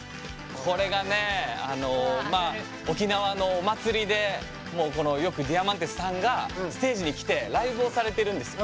これがね、沖縄のお祭りでもよくディアマンテスさんがステージに来てライブをされてるんです。